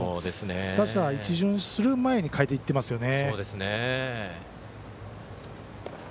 確か打者一巡する前に代えていってますね。